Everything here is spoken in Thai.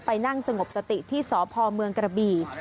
นั่งสงบสติที่สพเมืองกระบี่